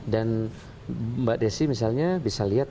dan mbak desi misalnya bisa lihat